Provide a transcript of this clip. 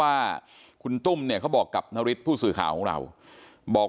แม่น้องชมพู่แม่น้องชมพู่แม่น้องชมพู่แม่น้องชมพู่